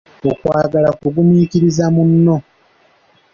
Okwagala kugumiikiriza munno.